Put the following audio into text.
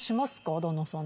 旦那さんと。